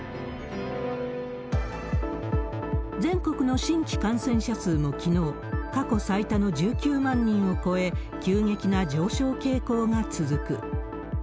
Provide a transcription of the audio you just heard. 全国の新規感染者数もきのう、過去最多の１９万人を超え、急激な上昇傾向が続く。